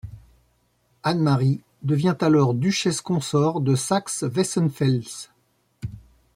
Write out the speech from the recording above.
Anne Marie devient alors duchesse consort de Saxe-Weissenfels.